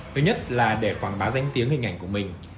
thứ nhất là để quảng bá danh tiếng hình ảnh của mình